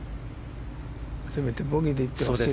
せめてボギーでいってほしい。